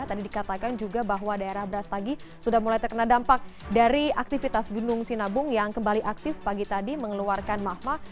tadi dikatakan juga bahwa daerah brastagi sudah mulai terkena dampak dari aktivitas gunung sinabung yang kembali aktif pagi tadi mengeluarkan mahma